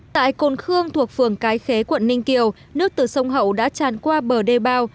tại cồn khương thuộc phường cái khế quận ninh kiều nước từ sông hậu đã tràn qua bờ đê bao